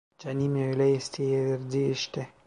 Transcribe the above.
Canım öyle isteyiverdi işte!